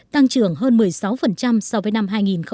tăng trưởng hơn một mươi sáu so với năm hai nghìn một mươi bảy